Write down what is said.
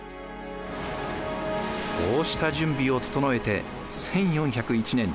こうした準備を整えて１４０１年。